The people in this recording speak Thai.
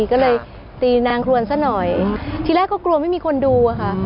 ก็เลยตีนางครวนซะหน่อยทีแรกก็กลัวไม่มีคนดูอะค่ะ